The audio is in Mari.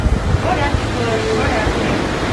— Порядке кӱлеш, порядке...